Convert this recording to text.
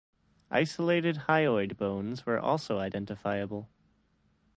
Isolated hyoid bones were also identifiable.